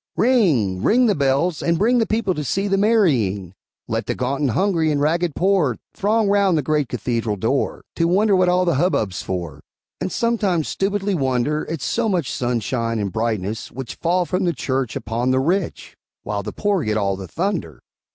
Ring! ring the bells, and bring The people to see the marrying! Let the gaunt and hungry and ragged poor Throng round the great cathedral door, To wonder what all the hubbub's for, And sometimes stupidly wonder At so much sunshine and brightness which Fall from the church upon the rich, While the poor get all the thunder.